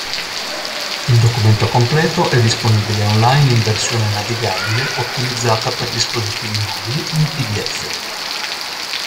Il documento completo è disponibile online in versione navigabile ottimizzata per dispositivi mobili o in PDF.